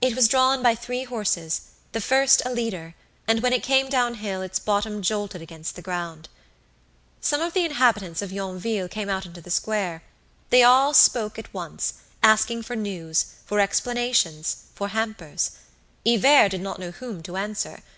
It was drawn by three horses, the first a leader, and when it came down hill its bottom jolted against the ground. Some of the inhabitants of Yonville came out into the square; they all spoke at once, asking for news, for explanations, for hampers. Hivert did not know whom to answer.